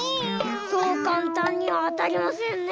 そうかんたんにはあたりませんね。